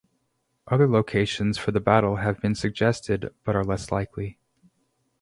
Other locations for the battle have been suggested but are less likely.